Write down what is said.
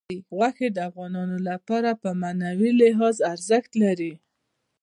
غوښې د افغانانو لپاره په معنوي لحاظ ارزښت لري.